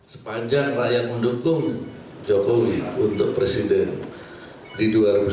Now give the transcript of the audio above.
sepanjang rakyat mendukung jokowi untuk presiden di dua ribu sembilan belas